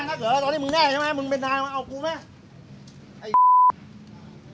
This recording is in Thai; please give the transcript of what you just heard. มึงแน่นักเหรอตอนนี้มึงแน่นักใช่ไหมมึงเป็นนายมาเอากูไหม